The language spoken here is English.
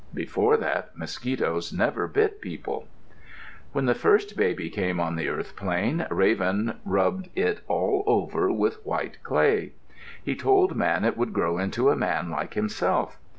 Before that mosquitoes never bit people. When the first baby came on the earth plain, Raven rubbed it all over with white clay. He told Man it would grow into a man like himself.